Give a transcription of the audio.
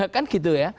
kan gitu ya